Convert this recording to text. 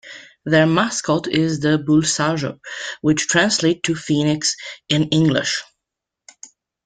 Their mascot is the Bulsajo, which translates to "Phoenix" in English.